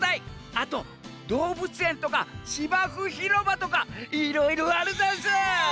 あとどうぶつえんとかしばふひろばとかいろいろあるざんす！